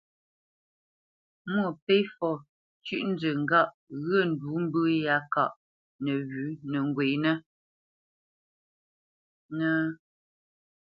Mwôpéfɔ cʉ́ʼnzə ŋgâʼ ghyə̂ ndǔ mbə̂ yá káʼ nəwʉ̌ nə́ ghwenə́ ?